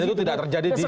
dan itu tidak terjadi di